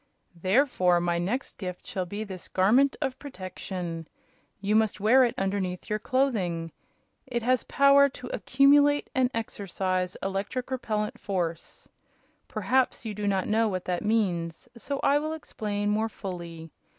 "Therefore my next gift shall be this Garment of Protection. You must wear it underneath your clothing. It has power to accumulate and exercise electrical repellent force. Perhaps you do not know what that means, so I will explain more fully.